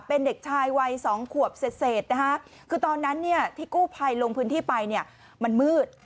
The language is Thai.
เป็นเด็กชายวัย๒ขวบเศษคือตอนนั้นที่กู้ภัยลงพื้นที่ไปมันมืด